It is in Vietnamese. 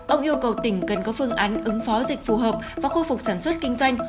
ông yêu cầu tỉnh cần có phương án ứng phó dịch phù hợp và khôi phục sản xuất kinh doanh